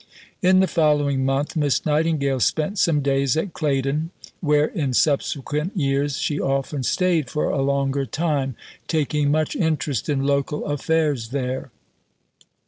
In the following month Miss Nightingale spent some days at Claydon, where in subsequent years she often stayed for a longer time, taking much interest in local affairs there.